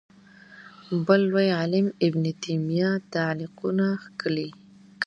بل لوی عالم ابن تیمیه تعلیقونه کښلي